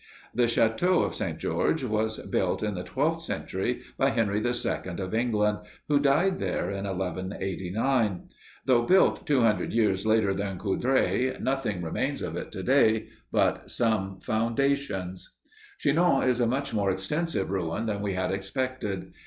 The Château of St. George was built in the twelfth century, by Henry II of England, who died there in 1189. Though built two hundred years later than Coudray, nothing remains of it to day but some foundations. Chinon is a much more extensive ruin than we had expected.